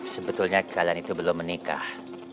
sebetulnya kalian itu belum menikah